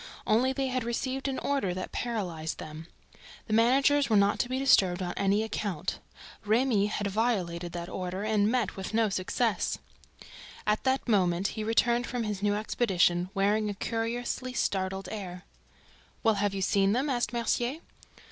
Only they had received an order that paralyzed them. The managers were not to be disturbed on any account. Remy had violated that order and met with no success. At that moment he returned from his new expedition, wearing a curiously startled air. "Well, have you seen them?" asked Mercier.